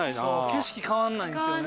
景色変わらないんですよね。